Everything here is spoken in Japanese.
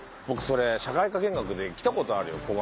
僕それ社会科見学で来た事あるよ。